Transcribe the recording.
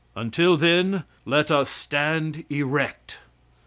Until then, let us stand erect.